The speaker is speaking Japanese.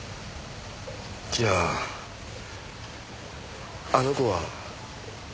じゃああの子は。